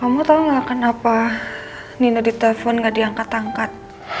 kamu tau gak kenapa nino ditelepon gak diangkat angkat